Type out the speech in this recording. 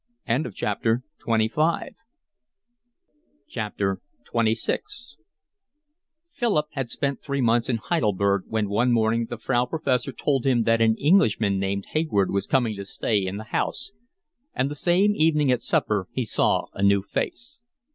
XXVI Philip had spent three months in Heidelberg when one morning the Frau Professor told him that an Englishman named Hayward was coming to stay in the house, and the same evening at supper he saw a new face.